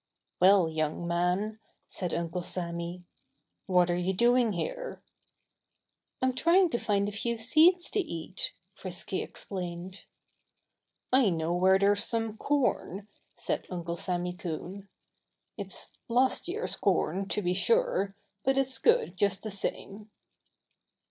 "Well, young man!" said Uncle Sammy, "what are you doing here?" "I'm trying to find a few seeds to eat," Frisky explained. "I know where there's some corn," said Uncle Sammy Coon. "It's last year's corn, to be sure; but it's good, just the same."